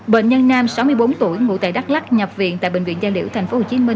bệnh nhân nam sáu mươi bốn tuổi ngụ tại đắk lắc nhập viện tại bệnh viện gia liễu tp hcm